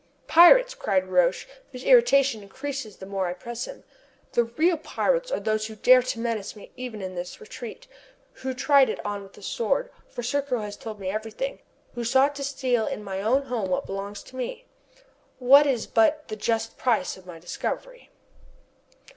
"Pirates!" cries Roch, whose irritation increases the more I press him. "The real pirates are those who dare to menace me even in this retreat, who tried it on with the Sword for Serko has told me everything who sought to steal in my own home what belongs to me, what is but the just price of my discovery."